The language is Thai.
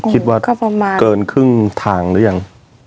คิดว่าเกินครึ่งทางหรือยัง